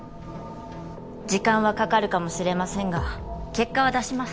時間はかかるかもしれませんが結果は出します